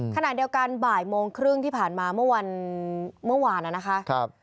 ขนาดเดียวกันบ่ายโมงครึ่งที่ผ่านมาเมื่อวานน่ะนะคะ